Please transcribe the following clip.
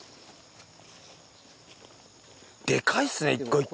でかいですね一個一個。